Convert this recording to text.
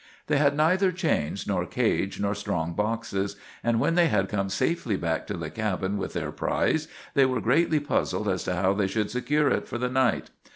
They had neither chains nor cage nor strong boxes, and when they had come safely back to the cabin with their prize they were greatly puzzled as to how they should secure it for the night.